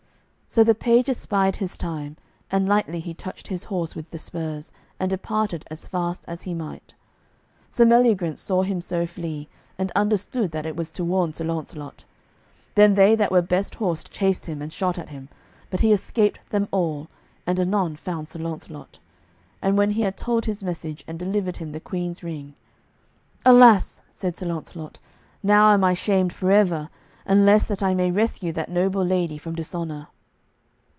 So the page espied his time, and lightly he touched his horse with the spurs, and departed as fast as he might. Sir Meliagrance saw him so flee, and understood that it was to warn Sir Launcelot. Then they that were best horsed chased him and shot at him, but he escaped them all, and anon found Sir Launcelot. And when he had told his message, and delivered him the Queen's ring, "Alas," said Sir Launcelot, "now am I shamed forever, unless that I may rescue that noble lady from dishonour."